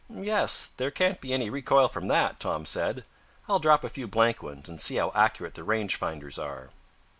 "Yes, there can't be any recoil from that," Tom said. "I'll drop a few blank ones, and see how accurate the range finders are."